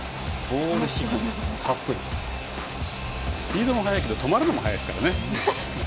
スピードも速いけど止まるのも速いですからね。